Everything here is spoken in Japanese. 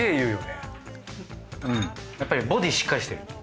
うんやっぱりボディしっかりしてる。